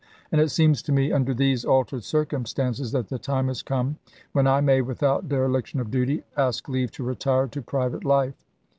And it seems to me, under these altered circumstances, that the time has come when I may, without dereliction of duty, ask leave to retire to private life.